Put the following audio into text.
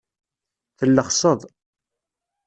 Tellexseḍ.